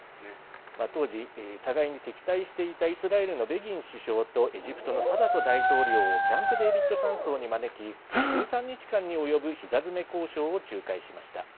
当時、互いに敵対していたイスラエルのベギン首相とエジプトのサダト大統領をキャンプデービッド山荘に招き１３日間に及ぶひざ詰め交渉を仲介しました。